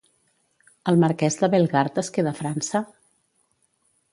El marquès de Bellegarde es queda a França?